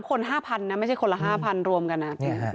คน๕๐๐นะไม่ใช่คนละ๕๐๐รวมกันนะ